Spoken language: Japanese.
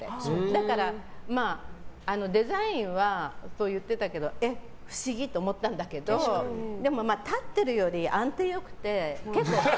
だから、デザインはえ、不思議と思ったんだけど立ってるより安定が良くて。